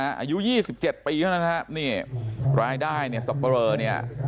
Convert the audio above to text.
อายุยี่สิบเจ็ดปีแล้วนะฮะนี่รายได้เนี่ยสประเรอเนี่ย